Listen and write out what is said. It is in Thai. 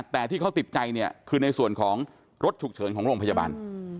แต่ที่เขาติดใจเนี่ยคือในส่วนของรถฉุกเฉินของโรงพยาบาล